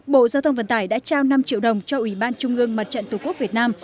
bộ giao thông vận tải đã trao năm triệu đồng cho ủy ban trung ương mặt trận tổ quốc việt nam